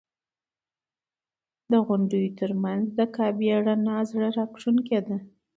د غونډیو تر منځ د کعبې رڼا زړه راښکونکې ده.